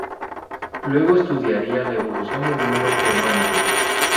Luego estudiaría la evolución del mundo germánico.